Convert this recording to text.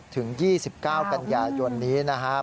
ถึง๒๙กันยายนนี้นะครับ